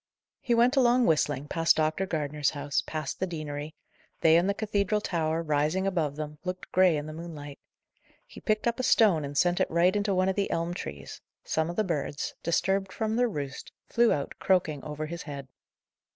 He went along whistling, past Dr. Gardner's house, past the deanery; they and the cathedral tower, rising above them, looked grey in the moonlight. He picked up a stone and sent it right into one of the elm trees; some of the birds, disturbed from their roost, flew out, croaking, over his head.